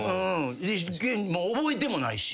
もう覚えてもないし。